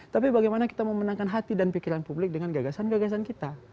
tapi bagaimana kita memenangkan hati dan pikiran publik dengan gagasan gagasan kita